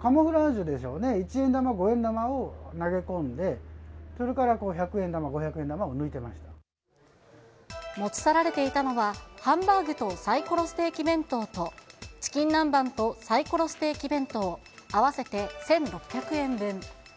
カムフラージュでしょうね、一円玉、五円玉を投げ込んで、それから百円玉、持ち去られていたのは、ハンバーグとサイコロステーキ弁当と、チキン南蛮とサイコロステーキ弁当、合わせて１６００円分。